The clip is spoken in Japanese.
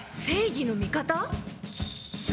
正義の味方？